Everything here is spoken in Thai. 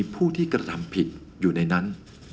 ผู้ที่กระทำผิดอยู่ในนั้น